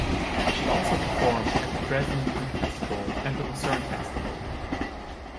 She also performed at the Dresden Music Festival and the Lucerne Festival.